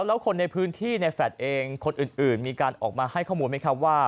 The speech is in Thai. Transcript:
แล้วคนในพื้นที่ในแฟลตเองคนอื่นมีการออกมาให้ข้อมูลไหมครับว่า